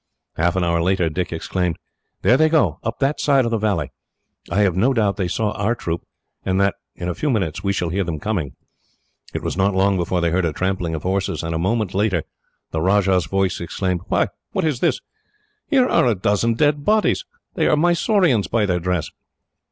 Half an hour later, Dick exclaimed: "There they go, up that side of the valley. I have no doubt they see our troop, and that in a few minutes we shall hear them coming." It was not long before they heard a trampling of horses, and a moment later the Rajah's voice exclaimed: "Why, what is this? Here are a dozen dead bodies. They are Mysoreans, by their dress."